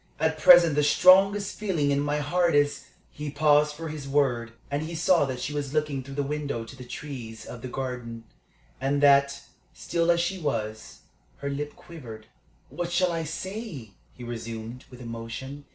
At present the strongest feeling in my heart is " He paused for his word, and he saw that she was looking through the window to the trees of the garden, and that, still as she was, her lip quivered. "What shall I say?" he resumed, with emotion.